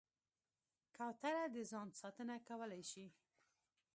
کوتره د ځان ساتنه کولی شي.